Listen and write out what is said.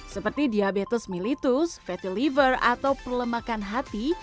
seperti diabetes mellitus fatty liver atau pelemakan hati